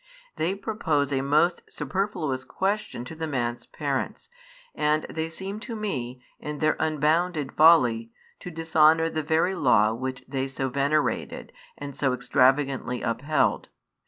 They propose a most superfluous question to the man's parents, and they seem to me, in their unbounded folly, to dishonour the very law which they so venerated and so extravagantly upheld.